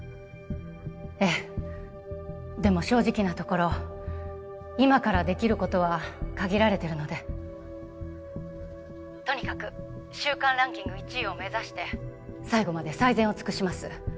ええでも正直なところ今からできることは限られてるので☎とにかく週間ランキング１位を目指して最後まで最善を尽くします